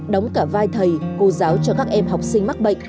đóng cả vai thầy cô giáo cho các em học sinh mắc bệnh